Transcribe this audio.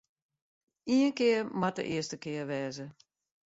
Ien kear moat de earste kear wêze.